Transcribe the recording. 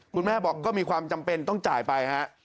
คุณแม่บอกก็มีความจำเป็นต้องจ่ายไปฮะ